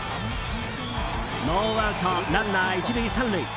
ノーアウト、ランナー１塁３塁。